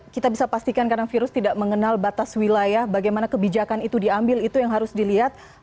kita bisa pastikan karena virus tidak mengenal batas wilayah bagaimana kebijakan itu diambil itu yang harus dilihat